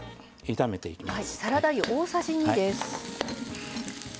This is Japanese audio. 炒めていきます。